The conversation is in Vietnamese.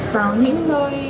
vào những nơi